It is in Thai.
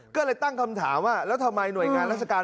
ก็เลยตั้งคำถามว่าแล้วทำไมหน่วยงานราชการ